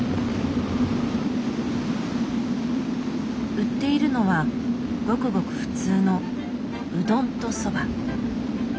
売っているのはごくごく普通のうどんとそば。